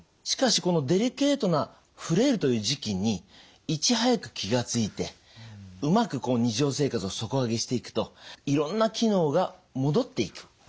しかしこのデリケートなフレイルという時期にいち早く気が付いてうまく日常生活を底上げしていくといろんな機能が戻っていく。